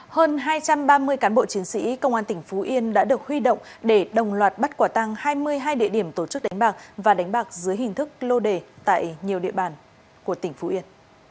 hơn hai trăm ba mươi cán bộ chiến sĩ công an tỉnh phú yên đã được huy động để đồng loạt bắt quả tăng hai mươi hai địa điểm tổ chức đánh bạc và đánh bạc dưới hình thức lô đề tại nhiều địa bàn của tỉnh phú yên